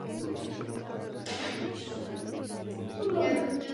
Donátorem a patronem kostela byl Jan Adam kníže z Lichtenštejna.